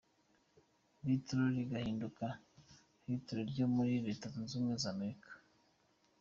Little rigahinduka Hult ryo muri Leta Zunze Ubumwe za Amerika.